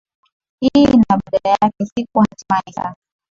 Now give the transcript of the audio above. i na badala yake siku hatimae saa